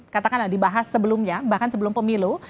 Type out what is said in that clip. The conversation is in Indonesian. katakanlah dibahas sebelumnya bahkan sebelum pemilu